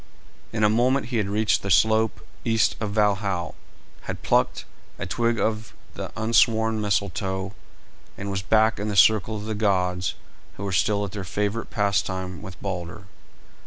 In a moment he had reached the slope east of Valhal, had plucked a twig of the unsworn Mistletoe, and was back in the circle of the gods, who were still at their favourite pastime with Balder.